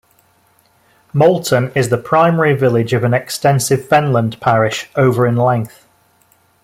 Moulton is the primary village of an extensive Fenland parish, over in length.